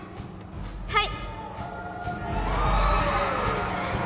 はい！